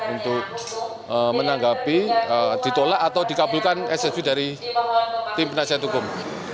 untuk menanggapi ditolak atau dikabulkan ssv dari tim penasihat hukum